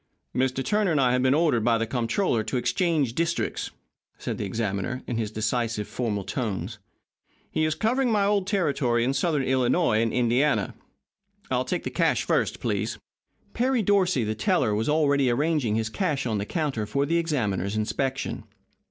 "Mr. Turner and I have been ordered by the Comptroller to exchange districts," said the examiner, in his decisive, formal tones. "He is covering my old territory in Southern Illinois and Indiana. I will take the cash first, please." Perry Dorsey, the teller, was already arranging his cash on the counter for the examiner's inspection.